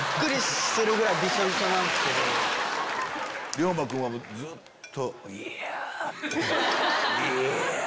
涼真君はずっと。